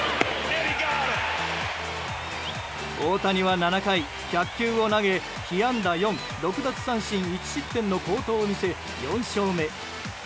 大谷は７回１００球を投げ被安打４、６奪三振１失点の好投を見せ４勝目。